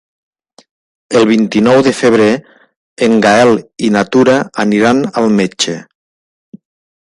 El vint-i-nou de febrer en Gaël i na Tura aniran al metge.